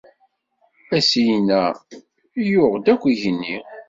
Asigna yuγ-d akk igenni.